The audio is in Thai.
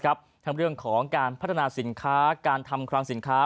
ทั้งเรื่องของการพัฒนาสินค้าการทำคลังสินค้า